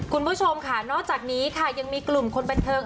คุณผู้ชมค่ะนอกจากนี้ค่ะยังมีกลุ่มคนบันเทิง